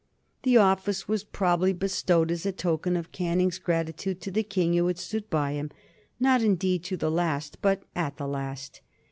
The office was probably bestowed as a token of Canning's gratitude to the King who had stood by him, not indeed to the last, but at the last.